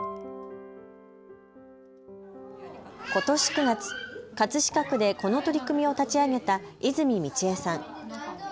ことし９月、葛飾区でこの取り組みを立ち上げた泉美智江さん。